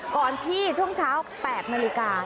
ก่อนที่ช่วงเช้า๘นาฬิกา